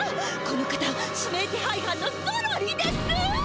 この方指名手配犯のゾロリです？